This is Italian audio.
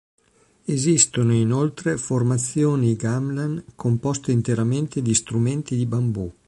Esistono, inoltre, formazioni gamelan composte interamente di strumenti di bambù.